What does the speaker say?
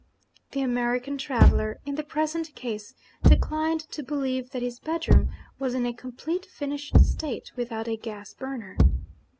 The American traveller, in the present case, declined to believe that his bedroom was in a complete finished state without a gas burner.